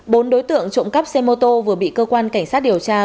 bốn đối tượng trộm cắp xe mô tô vừa bị cơ quan cảnh sát điều tra